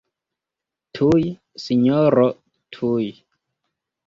Tuj, sinjoro, tuj!